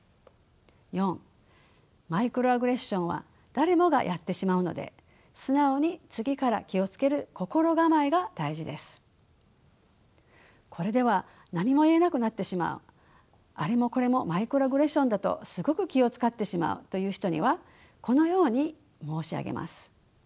マイクロアグレッションは誰もがやってしまうのでこれでは何も言えなくなってしまうあれもこれもマイクロアグレッションだとすごく気を遣ってしまうという人にはこのように申し上げます。